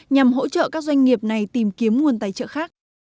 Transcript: nhằm hỗ trợ các doanh nghiệp này tìm kiếm nguồn tài trợ khác